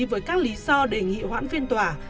với các lý do đề nghị hoãn phiên tòa